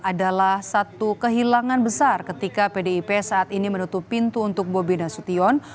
adalah satu kehilangan besar ketika pdip saat ini menutup pintu untuk bobi nasution